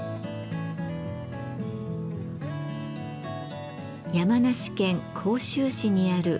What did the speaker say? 山梨県甲州市にある恵林寺。